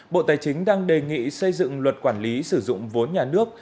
bộ tài chính đang đề nghị xây dựng luật quản lý sử dụng vốn nhà nước